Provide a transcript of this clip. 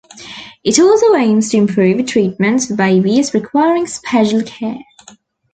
It also aims to improve treatments for babies requiring special care.